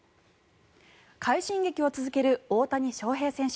快進撃を続ける大谷翔平選手。